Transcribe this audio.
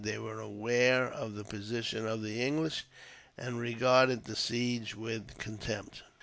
They were aware of the position of the English, and regarded the siege with contempt.